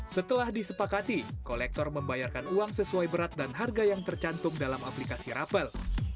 setelah disepakati kolektor membayarkan uang sesuai berat dan harga yang tercantum dalam aplikasi rapel